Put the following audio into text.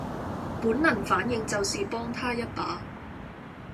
本能反應就是幫她一把